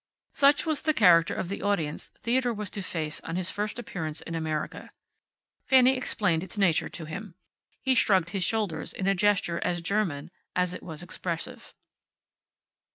Such was the character of the audience Theodore was to face on his first appearance in America. Fanny explained its nature to him. He shrugged his shoulders in a gesture as German as it was expressive.